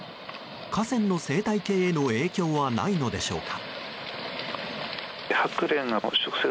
河川の生態系への影響はないのでしょうか。